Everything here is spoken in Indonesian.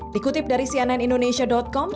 dikutip dari cnnindonesia com